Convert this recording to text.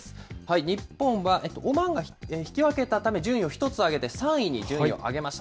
日本はオマーンが引き分けたため、順位を１つ上げて３位に順位を上げました。